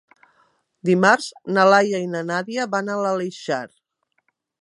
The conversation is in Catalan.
Dimarts na Laia i na Nàdia van a l'Aleixar.